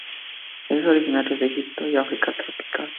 Es originario de Egipto y África tropical.